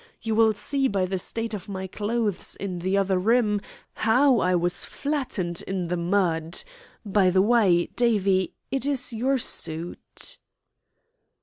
You will see by the state of my clothes in the other room how I was flattened in the mud. By the way, Davie, it is your suit."